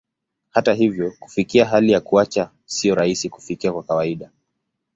Hata hivyo, kufikia hali ya kuacha sio rahisi kufikia kwa kawaida.